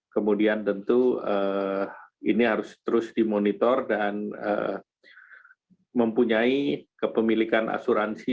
kemudian tentu ini harus terus dimonitor dan mempunyai kepemilikan asuransi